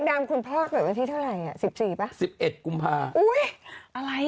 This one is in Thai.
คนมันจะใจเย็นที่เขียนไว้แล้วคืนไหว